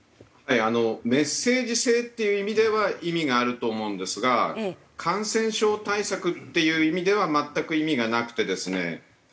メッセージ性っていう意味では意味があると思うんですが感染症対策っていう意味では全く意味がなくてですね。